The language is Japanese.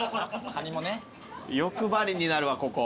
欲張りになるわここ。